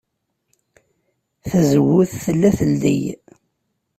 Tazewwut tella teldey.